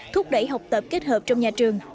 thúc đẩy học tập kết hợp trong nhà trường